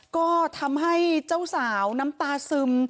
ก็ทำให้เจ้าสาวน้ำตาซึม